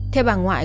theo bà ngoại